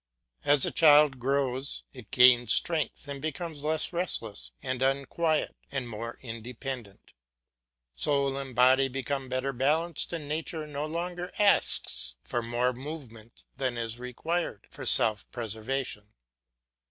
As the child grows it gains strength and becomes less restless and unquiet and more independent. Soul and body become better balanced and nature no longer asks for more movement than is required for self preservation.